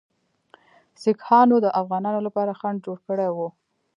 سیکهانو د افغانانو لپاره خنډ جوړ کړی وو.